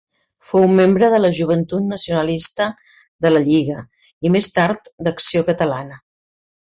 Fou membre de la Joventut Nacionalista de la Lliga i més tard d'Acció Catalana.